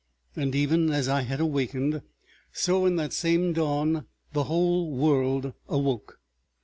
And even as I had awakened so in that same dawn the whole world awoke.